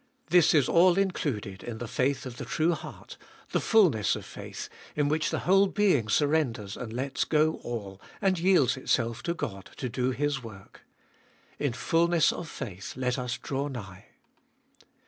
This is all included in the faith of the true heart, the fulness of faith, in which the whole being surrenders and lets go all, and yields itself to God to do His work. In fulness of faith let us draw nigh.